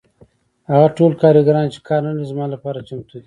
هغه ټول کارګران چې کار نلري زما لپاره چمتو دي